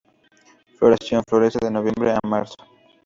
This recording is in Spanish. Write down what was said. Floración: Florece de noviembre a marzo.